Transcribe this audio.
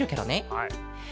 はい。